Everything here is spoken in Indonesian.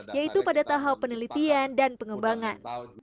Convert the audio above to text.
yaitu pada tahap penelitian dan pengembangan